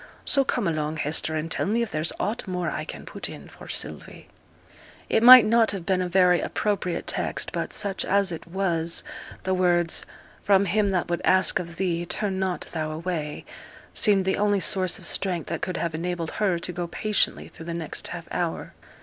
So come along, Hester, and tell me if there's aught more I can put in for Sylvie.' It might not have been a very appropriate text, but such as it was the words, 'From him that would ask of thee turn not thou away,' seemed the only source of strength that could have enabled her to go patiently through the next half hour.